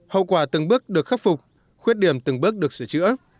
hậu quả từng bước được khắc phục khuyết điểm từng bước được sửa chữa